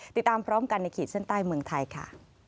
ติดตามพร้อมกันในขีดเส้นใต้เมืองไทยค่ะ